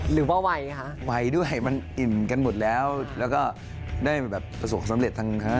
เหตุใดทำไมไม่มารวมวงคะ